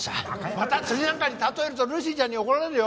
また釣りなんかに例えるとルーシーちゃんに怒られるよ。